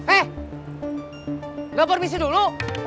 eh gak permisi dulu